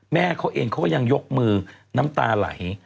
แม่เขาเองเขาก็ยังยกมือน้ำตาไหล